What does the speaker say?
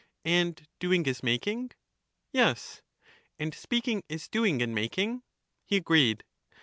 And doing is making? Yes. And speaking is doing and making? He agreed.